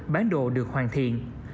bản đồ được hoàn thiện